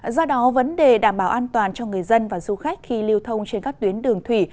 do đó vấn đề đảm bảo an toàn cho người dân và du khách khi lưu thông trên các tuyến đường thủy